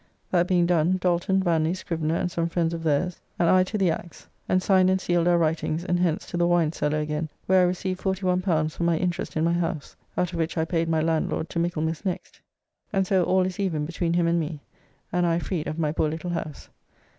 That being done, Dalton, Vanly, Scrivener and some friends of theirs and I to the Axe, and signed and sealed our writings, and hence to the Wine cellar again, where I received L41 for my interest in my house, out of which I paid my Landlord to Michaelmas next, and so all is even between him and me, and I freed of my poor little house.